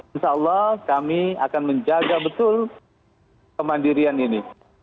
insya allah kami akan menjaga betul kemandirian ini